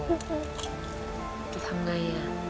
จะทำไง